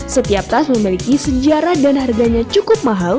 setiap tas memiliki sejarah dan harganya cukup mahal